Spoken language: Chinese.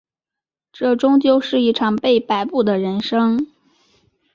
这终究是一场被摆布的人生